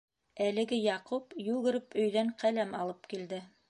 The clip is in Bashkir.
Әлеге Яҡуп йүгереп өйҙән ҡәләм алып килде.